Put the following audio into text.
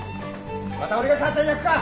また俺が母ちゃん役か！